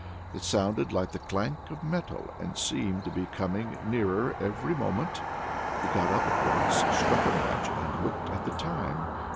It sounded like the clank of metal, and seemed to be coming nearer every moment. He got up at once, struck a match, and looked at the time.